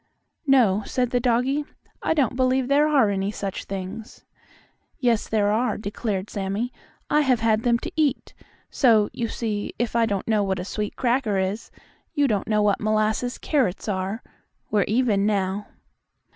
"No," said the doggie. "I don't believe there are any such things." "Yes, there are," declared Sammie. "I have had them to eat. So, you see, if I don't know what a sweet cracker is, you don't know what molasses carrots are. We're even now."